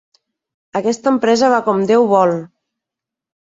Aquesta empresa va com Déu vol!